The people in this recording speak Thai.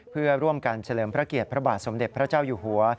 เพื่อร่วมกันเฉลิมพระเกียรติพระบาทสมเด็จพระเจ้าอยู่หัว